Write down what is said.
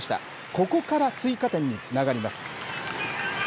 ここから追加点につながります。